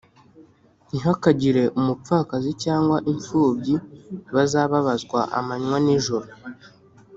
Ntihakagire umupfakazi cyangwa impfubyi bazababazwa amanywa n ijoro